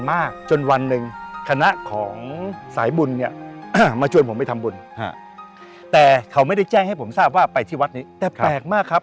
มากจนวันหนึ่งคณะของสายบุญเนี่ยมาชวนผมไปทำบุญแต่เขาไม่ได้แจ้งให้ผมทราบว่าไปที่วัดนี้แต่แปลกมากครับ